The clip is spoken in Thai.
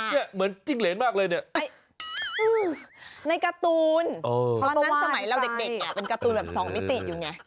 เหมือนจิ้งเหรนมากเลยเนี่ยในการ์ตูนตอนนั้นสมัยเราเด็กเนี่ยเป็นการ์ตูนแบบสองมิติอยู่ไง